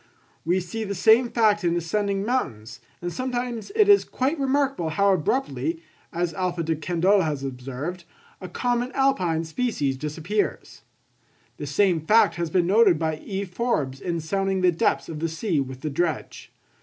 We see the same fact in ascending mountains, and sometimes it is quite remarkable how abruptly, as Alph. De Candolle has observed, a common alpine species disappears. The same fact has been noticed by E. Forbes in sounding the depths of the sea with the dredge.